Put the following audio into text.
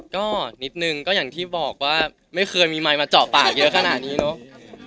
ก็นิดนึงก็อย่างที่บอกว่าไม่เคยมีไมค์มาเจาะปากเยอะขนาดนี้เนอะ